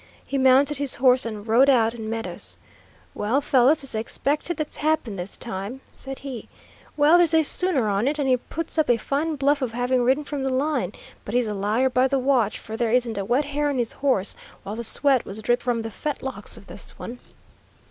He mounted his horse and rode out and met us. "Well, fellows, it's the expected that's happened this time," said he. "Yes, there's a sooner on it, and he puts up a fine bluff of having ridden from the line; but he's a liar by the watch, for there isn't a wet hair on his horse, while the sweat was dripping from the fetlocks of this one."